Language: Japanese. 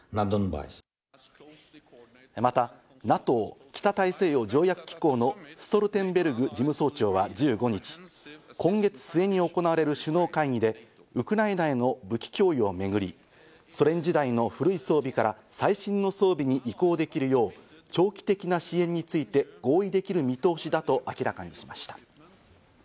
またＮＡＴＯ＝北大西洋条約機構のストルテンベルグ事務総長は１５日、今月末に行われる首脳会議でウクライナへの武器供与をめぐり、ソ連時代の古い装備から最新の装備に移行できるよう、長期的な支援について合意できる見通しだと明らかにしました。